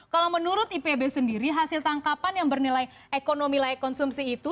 kalau menurut ipb sendiri hasil tangkapan yang bernilai ekonomi layak konsumsi itu